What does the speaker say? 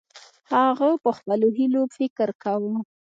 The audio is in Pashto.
هغه په خپلو هیلو فکر کاوه.